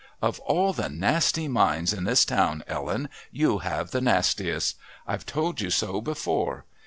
"Of all the nasty minds in this town, Ellen, you have the nastiest. I've told you so before.